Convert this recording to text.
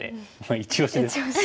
イチオシですか。